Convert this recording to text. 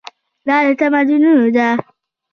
دا د تمدنونو ده.